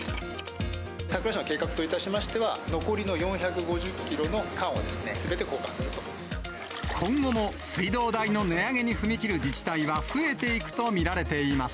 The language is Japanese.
佐倉市の計画といたしましては、残りの４５０キロの管を、今後も水道代の値上げに踏み切る自治体は増えていくと見られています。